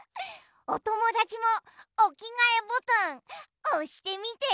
おともだちもおきがえボタンおしてみて。